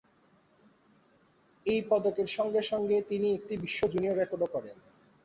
এই পদকের সঙ্গে সঙ্গে তিনি একটি বিশ্ব জুনিয়র রেকর্ডও করেন।